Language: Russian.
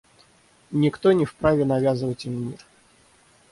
Никто не вправе навязывать им мир.